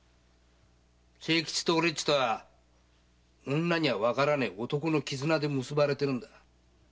清吉と俺っちとは女にゃわからねえ男の絆で結ばれてるんだ。